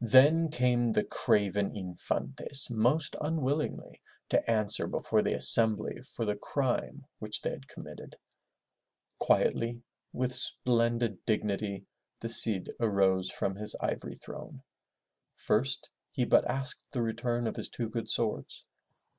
Then came the craven Infantes, most unwillingly, to answer before the assembly for the crime which they had committed. Quietly, with splendid dignity, the Cid arose from his ivory throne. First he but asked the return of his two good swords.